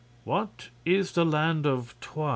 "What is the Land of Twi?"